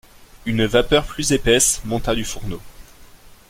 Une vapeur plus épaisse monta du fourneau.